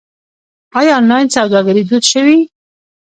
آیا آنلاین سوداګري دود شوې؟